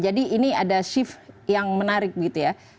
jadi ini ada shift yang menarik gitu ya